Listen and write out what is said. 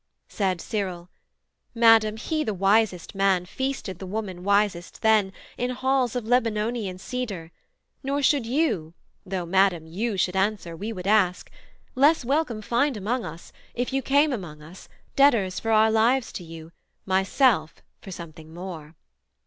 Said Cyril, 'Madam, he the wisest man Feasted the woman wisest then, in halls Of Lebanonian cedar: nor should you (Though, Madam, you should answer, we would ask) Less welcome find among us, if you came Among us, debtors for our lives to you, Myself for something more.'